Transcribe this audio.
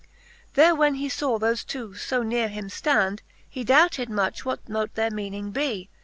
There when he faw thofe two fo neare him ftand. He doubted much what mote their meaning bee.